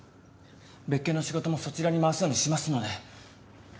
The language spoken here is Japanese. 別件の仕事もそちらに回すようにしますので。